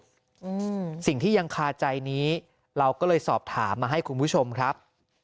อืมสิ่งที่ยังคาใจนี้เราก็เลยสอบถามมาให้คุณผู้ชมครับ